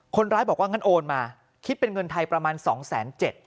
คนร้ายบอกว่างั้นโอนมาคิดเป็นเงินไทยประมาณ๒๗๐๐บาท